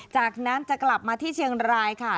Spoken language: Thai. จากนั้นจะกลับมาที่เชียงรายค่ะ